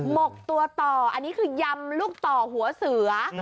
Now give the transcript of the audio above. หกตัวต่ออันนี้คือยำลูกต่อหัวเสือ